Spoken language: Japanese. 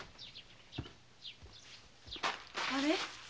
あれ？